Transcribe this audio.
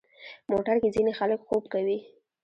موټر کې ځینې خلک خوب کوي.